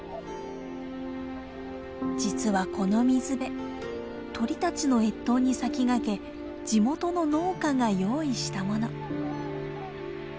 実はこの水辺鳥たちの越冬に先駆け地元の農家が用意したもの。